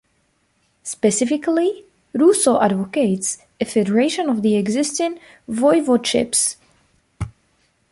Specifically, Rousseau advocates a federation of the existing voivodships.